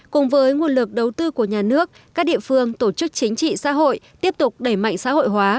cùng với nguồn lực đầu tư của nhà nước các địa phương tổ chức chính trị xã hội tiếp tục đẩy mạnh xã hội hóa